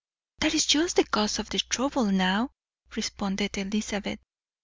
"That is just the cause of the trouble now," responded Elizabeth.